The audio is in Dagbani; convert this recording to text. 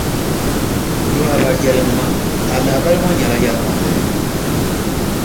Louba yɛlimi ma, a lahabali ŋɔ nyɛla yɛlimaŋli?